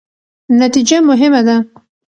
نتیجه مهمه ده